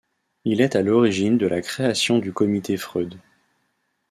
Il est à l'origine de la création du Comité Freud.